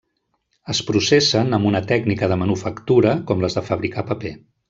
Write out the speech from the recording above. Es processen amb una tècnica de manufactura com les de fabricar paper.